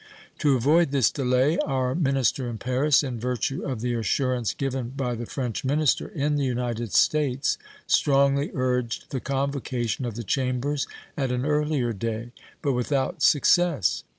To avoid this delay our minister in Paris, in virtue of the assurance given by the French minister in the United States, strongly urged the convocation of the Chambers at an earlier day, but without success.